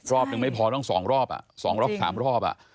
รอบหนึ่งไม่พอต้องสองรอบสองรอบสามรอบ